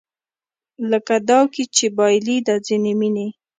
لکه داو کې چې بایلي دا ځینې مینې